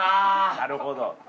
なるほど。